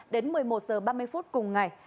đến một mươi một h ba mươi phút cùng ngày